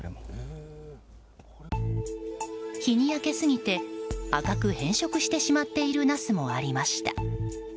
日に焼けすぎて赤く変色してしまっているナスもありました。